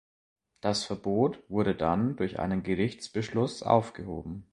Das Verbot wurde dann durch einen Gerichtsbeschluss aufgehoben.